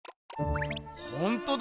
ほんとだ！